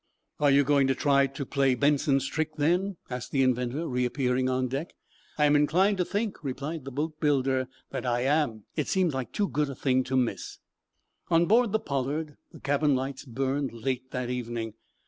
"Are you going to try to play Benson's trick, then?" asked the inventor, reappearing on deck. "I'm inclined to think," replied the boatbuilder, "that I am. It seems like too good a thing to miss." On board the "Pollard" the cabin lights burned late that evening.